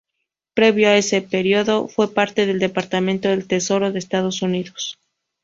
Previo a ese periodo fue parte del Departamento del Tesoro de Estados Unidos.